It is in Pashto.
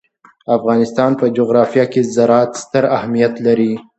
د افغانستان په جغرافیه کې زراعت ستر اهمیت لري.